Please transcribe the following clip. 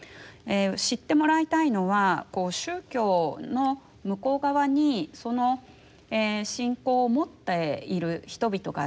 知ってもらいたいのは宗教の向こう側にその信仰を持っている人々がいる。